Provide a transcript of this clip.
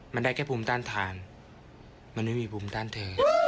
มันได้แค่ภูมิต้านทานมันไม่มีภูมิต้านเธอ